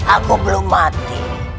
aku belum mati